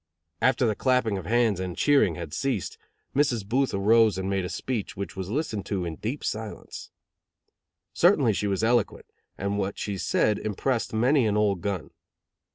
After the clapping of hands and cheering had ceased, Mrs. Booth arose and made a speech, which was listened to in deep silence. Certainly she was eloquent, and what she said impressed many an old gun.